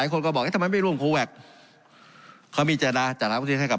คนก็บอกเอ๊ะทำไมไม่ร่วมโคแวคเขามีเจตนาจัดหาวัคซีนให้กับ